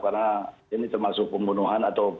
karena ini termasuk pembunuhan atau